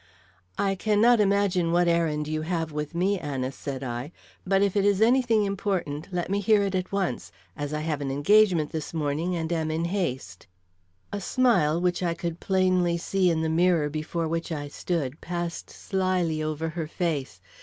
"I cannot imagine what errand you have with me, Anice," said I; "but if it is any thing important, let me hear it at once, as I have an engagement this morning, and am in haste." A smile, which I could plainly see in the mirror before which I stood, passed slyly over her face.